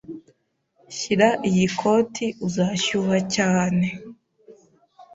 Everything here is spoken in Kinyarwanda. Shyira iyi koti, uzashyuha cyane